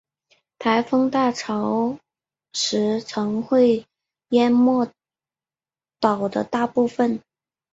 台风大潮时常会淹没岛的大部分。